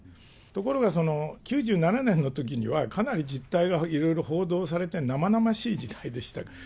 ところが９７年のときには、かなり実態がいろいろ報道されて、生々しい時代でしたから。